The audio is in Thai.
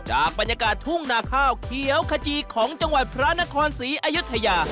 จากบรรยากาศทุ่งนาข้าวเขียวขจีของจังหวัดพระนครศรีอยุธยา